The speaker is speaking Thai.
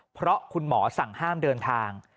เพราะคุณหมอสั่งห้ามเดินทาง